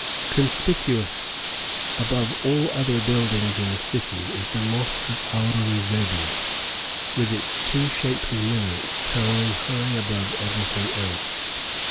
Conspicuous above all other buildings in the city is the mosque of Aurungzebe, with its two shapely minarets towering high above everything else.